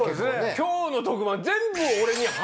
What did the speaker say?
今日の特番全部。